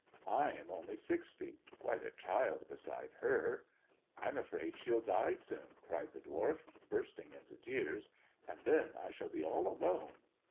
I am only sixty, quite a child besid her. I'm afraid she'll die soon," cried the dwarf, burstin into tears, '* and then I shall be all alone."